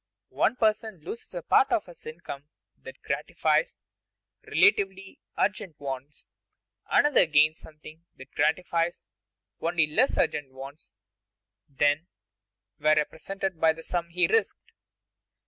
One person loses a part of his income that gratifies relatively urgent wants; another gains something that gratifies only less urgent wants than were represented by the sum he risked.